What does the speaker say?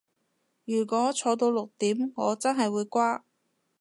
如果坐到六點我真係會瓜